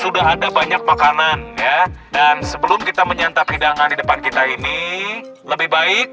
sudah ada banyak makanan ya dan sebelum kita menyantap hidangan di depan kita ini lebih baik